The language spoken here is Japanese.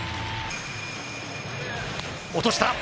落とした。